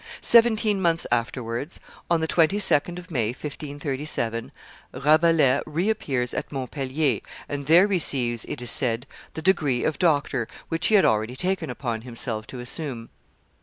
Seventeen months afterwards, on the 22d of May, 1537, Rabelais reappears at Montpellier, and there receives, it is said, the degree of doctor, which he had already taken upon himself to assume.